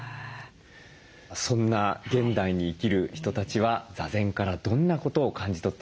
そんな現代に生きる人たちは座禅からどんなことを感じ取っているんでしょうか？